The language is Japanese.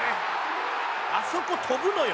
あそこ飛ぶのよ。